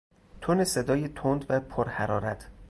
تن صدای تند و پرحرارت